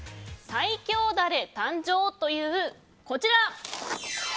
最強ダレ誕生という、こちら。